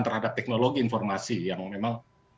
terhadap teknologi informasi yang memang